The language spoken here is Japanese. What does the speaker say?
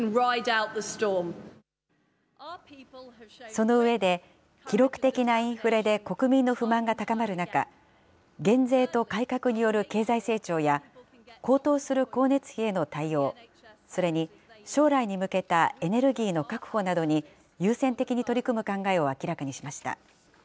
その上で、記録的なインフレで、国民の不満が高まる中、減税と改革による経済成長や、高騰する光熱費への対応、それに将来に向けたエネルギーの確保などに、優先的に取り組む考えを明らかにしました。